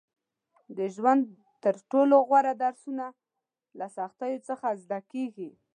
• د ژوند تر ټولو غوره درسونه له سختیو څخه زده کېږي.